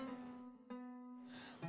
mau besok haja maimunah